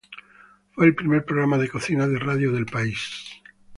Fue el primer programa de cocina de radio del país.